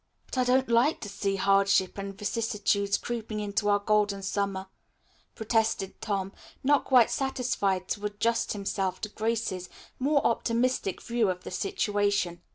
"But I don't like to see hardship and vicissitudes creeping into our Golden Summer," protested Tom, not quite satisfied to adjust himself to Grace's more optimistic view of the situation.